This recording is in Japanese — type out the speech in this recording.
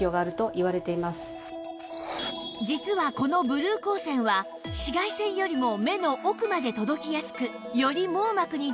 実はこのブルー光線は紫外線よりも目の奥まで届きやすくより網膜にダメージを与える可能性が